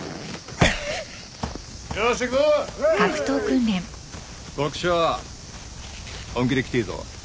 国生本気で来ていいぞ。